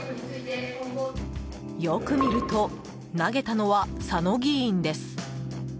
よく見ると投げたのは佐野議員です。